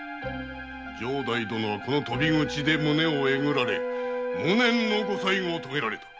城代殿はこの鳶口で胸を抉られ無念のご最後を遂げられた。